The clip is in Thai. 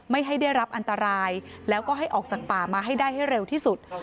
ไม่ให้ได้รับอันตรายแล้วก็ให้ออกจากป่ามาให้ได้ให้เร็วที่สุด